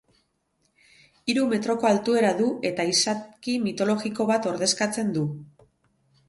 Hiru metroko altuera du eta izaki mitologiko bat ordezkatzen du.